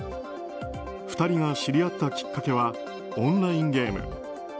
２人が知り合ったきっかけはオンラインゲーム。